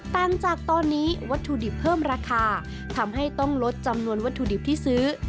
ต่างจากตอนนี้วัตถุดิบเพิ่มราคาทำให้ต้องลดจำนวนวัตถุดิบที่ซื้อ